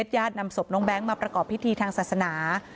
ญาตินำศพน้องแบงค์มาประกอบพิธีทางศาสนา